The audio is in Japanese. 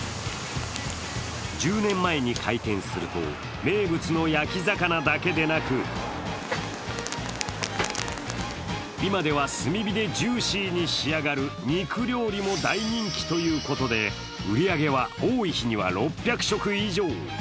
１０年前に開店すると、名物の焼き魚だけでなく今では炭火でジューシーに仕上がる肉料理も大人気ということで売り上げは多い日には６００食以上。